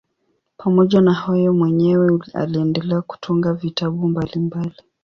Pamoja na hayo mwenyewe aliendelea kutunga vitabu mbalimbali.